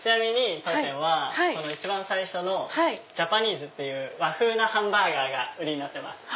当店はこの一番最初のＪＡＰＡＮＥＳＥっていう和風なハンバーガーが売りになってます。